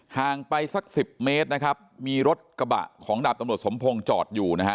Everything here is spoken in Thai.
ห่างไปสัก๑๐เมตรมีรถกระบะของดาบตำรวจสมพงศ์จอดอยู่